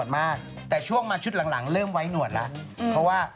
เราจะได้พี่ตูนหน้าสายให้กันอีกแล้ว